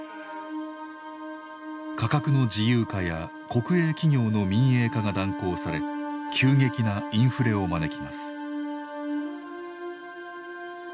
価格の自由化や国営企業の民営化が断行され急激なインフレを招きます。